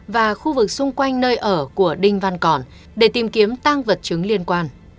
và khu vực xung quanh nơi ở của đinh văn còn để tìm kiếm tăng vật chứng liên quan